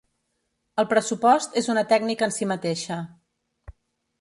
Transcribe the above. El pressupost és una tècnica en si mateixa.